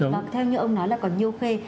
và theo như ông nói là còn nhiều phê